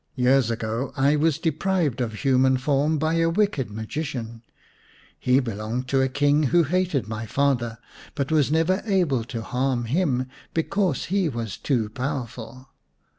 Years ago I was deprived of human form by a wicked magician. He belonged to a king who hated my father, but was never able to harm him because he was too powerful.